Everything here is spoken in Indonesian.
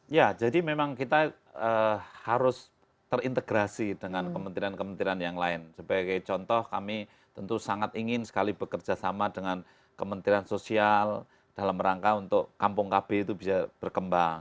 ya jadi memang kita harus terintegrasi dengan kementerian kementerian yang lain sebagai contoh kami tentu sangat ingin sekali bekerja sama dengan kementerian sosial dalam rangka untuk kampung kb itu bisa berkembang